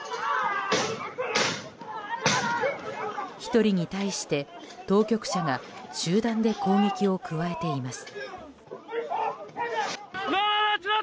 １人に対して当局者が集団で攻撃を加えています。